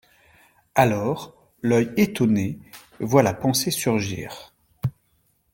Alors, l'œil étonné voit la pensée surgir.